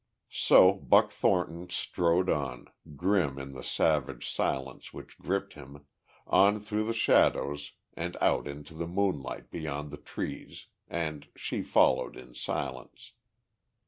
So Buck Thornton strode on, grim in the savage silence which gripped him, on through the shadows and out into the moonlight beyond the trees, and she followed in silence.